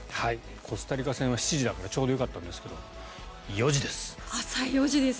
コスタリカ戦は７時だからちょうどよかったんですけど４時です。